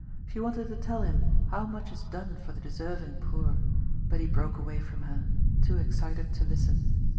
She wanted to tell him how much is done for the deserving poor, but he broke away from her, too excited to listen.